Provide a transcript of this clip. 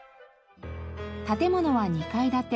建物は２階建て。